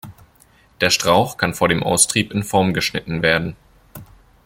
Der Strauch kann vor dem Austrieb in Form geschnitten werden.